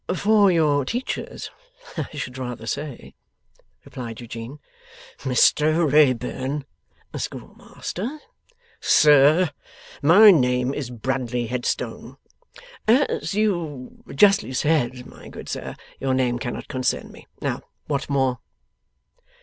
'For your Teachers, I should rather say,' replied Eugene. 'Mr Wrayburn.' 'Schoolmaster.' 'Sir, my name is Bradley Headstone.' 'As you justly said, my good sir, your name cannot concern me. Now, what more?